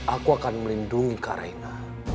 aku akan melindungi karina